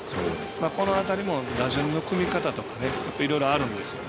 この辺りも打順の組み方とかいろいろあるんですよね。